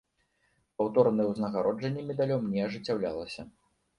Паўторнае ўзнагароджанне медалём не ажыццяўлялася.